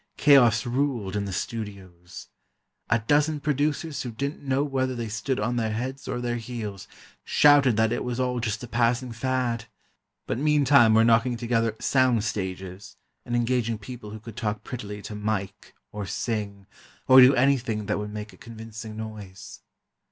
Chaos ruled in the studios. A dozen producers who didn't know whether they stood on their heads or their heels, shouted that it was all just a passing fad, but meantime were knocking together "sound stages" and engaging people who could talk prettily to "Mike," or sing, or do anything that would make a convincing noise.